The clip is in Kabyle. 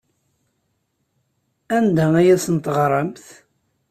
Anda ay asen-teɣramt?